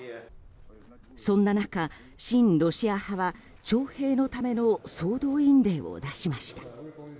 そんな中、親ロシア派は徴兵のための総動員令を出しました。